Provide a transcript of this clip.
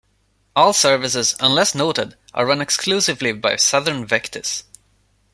All services, unless noted, are run exclusively by Southern Vectis.